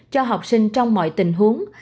cho học sinh trong mọi tình huống